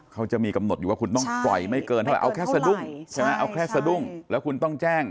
เขาจะมีกำหนดอยู่ว่าคุณต้องปล่อยไม่เกินเอาแค่สะดุ้งแล้วคุณต้องแจ้ง